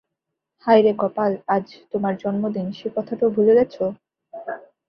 হায় রে কপাল, আজ তোমার জন্মদিন, সে কথাটাও ভুলে গেছ?